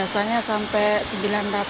biasanya berapa sekarang beras